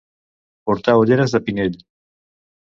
Portar ulleres de Pinell.